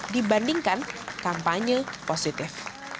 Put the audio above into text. dibandingkan kampanye positif